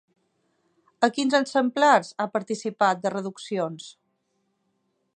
A quins exemplars ha participat de Reduccions?